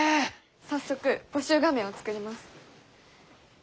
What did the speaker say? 早速募集画面を作ります。